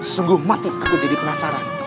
sungguh mati aku jadi penasaran